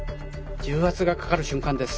重圧がかかる瞬間です。